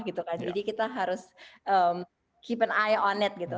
jadi kita harus menjaga itu